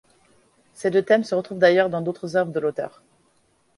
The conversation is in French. Ces deux thèmes se retrouvent d'ailleurs dans d'autres œuvres de l'auteur.